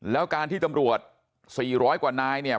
แล้วการที่ตำรวจ๔๐๐กว่านายเนี่ย